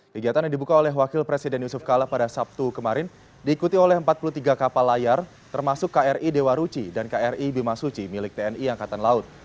kegiatan yang dibuka oleh wakil presiden yusuf kala pada sabtu kemarin diikuti oleh empat puluh tiga kapal layar termasuk kri dewa ruci dan kri bimasuci milik tni angkatan laut